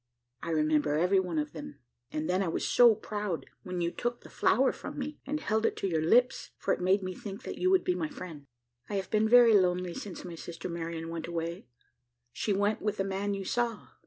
I remember every one of them. And then I was so proud when you took the flower from me, and held it to your lips, for it made me think that you would be my friend. I have been very lonely since my sister Marian went away she went with the man you saw.